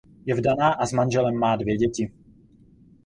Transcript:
Je vdaná a s manželem má dvě děti.